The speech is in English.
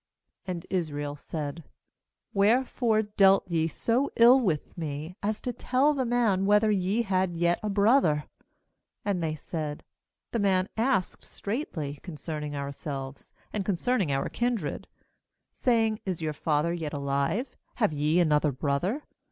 6And Israel said: 'Wherefore dealt ye so ill with me, as to tell the man whether ye had yet a brother?' 7And they said: 'The man asked straitly con cerning ourselves, and concerning our kindred, saying: Is your father yet alive? have ye another brother?